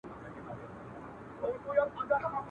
• تمرکز زیاتوي او ستړیا له منځه وړي